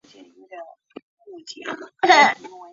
室友大胖告白。